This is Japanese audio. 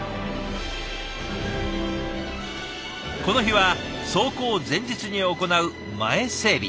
この日は走行前日に行う前整備。